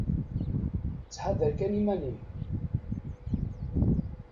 Tthadar kan iman-im.